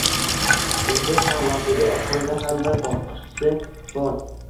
O’zga shaharlardagi osmonga ham bir boqqisi bor.